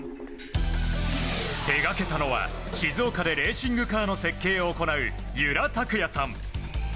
手がけたのは静岡でレーシングカーの設計を行う由良拓也さん。